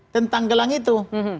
tentang gelang itu